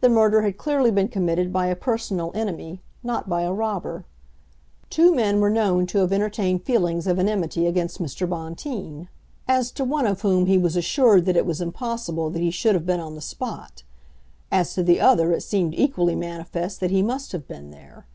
The murder had clearly been committed by a personal enemy, not by a robber. Two men were known to have entertained feelings of enmity against Mr. Bonteen; as to one of whom he was assured that it was impossible that he should have been on the spot. As to the other it seemed equally manifest that he must have been there.